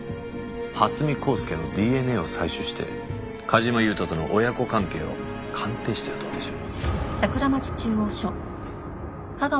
蓮見光輔のＤＮＡを採取して梶間優人との親子関係を鑑定してはどうでしょう？